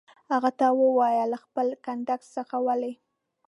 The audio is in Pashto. هغه ته وویل: له خپل کنډک څخه ولې.